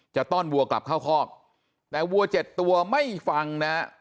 ต้อนวัวกลับเข้าคอกแต่วัวเจ็ดตัวไม่ฟังนะฮะ